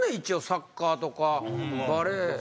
サッカーとかバレー。